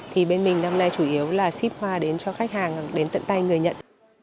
thì bên mình năm nay chủ yếu là ship hoa đến cho khách hàng đến tận tay người nhận